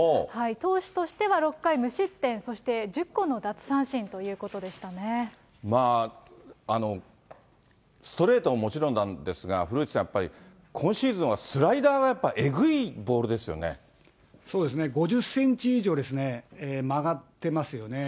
投手としては、６回無失点、そして１０個の奪三振ということストレートはもちろんなんですけれども、古内さん、やっぱり今シーズンはスライダーが、やっそうですね、５０センチ以上ですね、曲がってますよね。